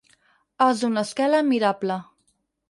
Es una esquela admirable.